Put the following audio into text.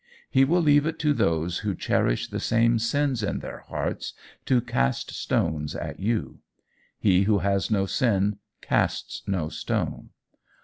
He will leave it to those who cherish the same sins in their hearts to cast stones at you: he who has no sin casts no stone.